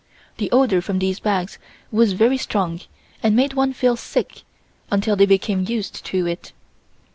The odor from these bags was very strong and made one feel sick until they became used to it.